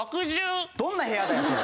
どんな部屋だよそれ。